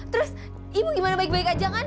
terus ibu gimana baik baik aja kan